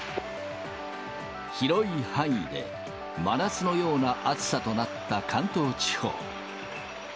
広い範囲で真夏のような暑さとなった関東地方。